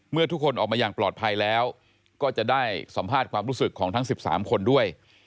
เมื่อทุกคนออกมาอย่างปลอดภัยแล้วก็จะได้สัมภาษณ์ความรู้สึกของทั้ง๑๓คนด้วย